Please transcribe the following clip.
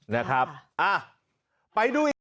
นะครับไปดูอีก